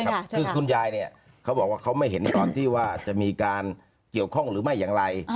คือคุณยายเนี่ยเขาบอกว่าเขาไม่เห็นตอนที่ว่าจะมีการเกี่ยวข้องหรือไม่อย่างไร